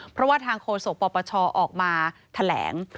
เพราะว่าทางโฆษกปปชออกมาแถลง